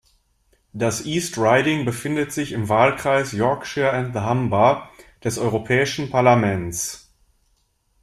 Das East Riding befindet sich im Wahlkreis "Yorkshire and the Humber" des Europäischen Parlaments.